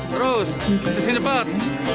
terus ke sini cepat